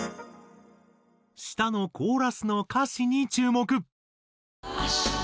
下のコーラスの歌詞に注目。